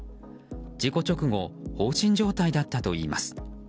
事故直後放心状態だったといいます。